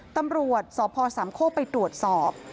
ตำรวจสพสามโคกไปตรวจสอบ